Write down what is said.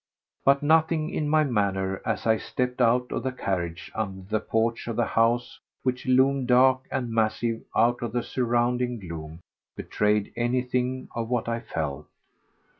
But nothing in my manner, as I stepped out of the carriage under the porch of the house which loomed dark and massive out of the surrounding gloom, betrayed anything of what I felt.